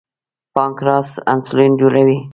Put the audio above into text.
پانکریاس انسولین جوړوي.